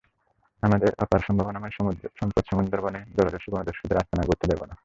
আমাদের অপার সম্ভাবনাময় সম্পদ সুন্দরবনে জলদস্যু, বনদস্যুদের আস্তানা গড়তে দেব না।